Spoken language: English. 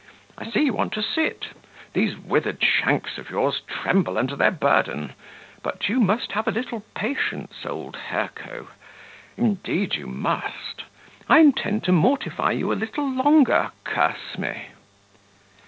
I see you want to sit. These withered shanks of yours tremble under their burden; but you must have a little patience, old Hirco! indeed you must. I intend to mortify you a little longer, curse me!"